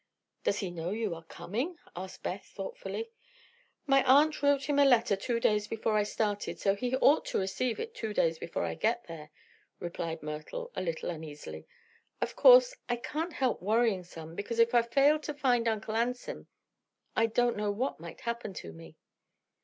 "Does he know you are coming?" asked Beth, thoughtfully. "My aunt wrote him a letter two days before I started, so he ought to receive it two days before I get there," replied Myrtle, a little uneasily. "Of course I can't help worrying some, because if I failed to find Uncle Anson I don't know what might happen to me."